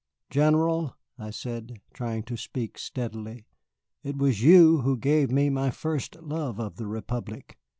"General," I said, trying to speak steadily, "it was you who gave me my first love for the Republic.